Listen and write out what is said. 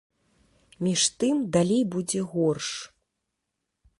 Між тым, далей будзе горш.